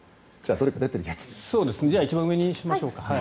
じゃあ一番上にしましょうか。